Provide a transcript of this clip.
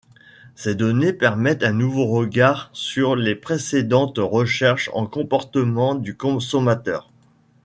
Ces données permettent un nouveau regard sur les précédentes recherches en comportement du consommateur.